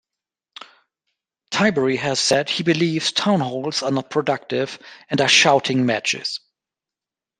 Tiberi has said he believes town halls are "not productive" and are "shouting matches".